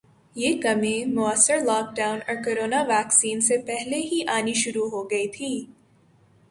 یہ کمی موثر لوک ڈاون اور کورونا ویکسین سے پہلے ہی آنی شروع ہو گئی تھی